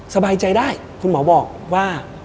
สบายใจได้คุณหมอบอกว่า